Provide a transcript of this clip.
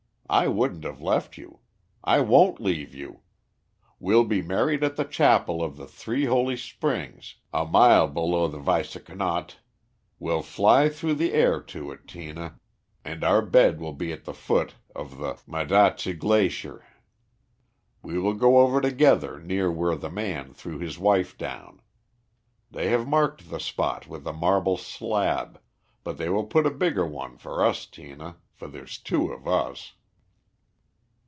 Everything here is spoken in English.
I wouldn't have left you. I won't leave you. We'll be married at the chapel of the Three Holy Springs, a mile below the Weisse Knott; we'll fly through the air to it, Tina, and our bed will be at the foot of the Madatseh Glacier. We will go over together near where the man threw his wife down. They have marked the spot with a marble slab, but they will put a bigger one for us, Tina, for there's two of us."